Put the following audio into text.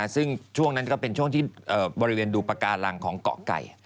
ซึ่งช่วงนั้นก็เป็นช่วงที่บริเวณดูปากการังของเกาะไก่